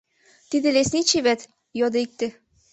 — Тиде лесничий вет? — йодо икте.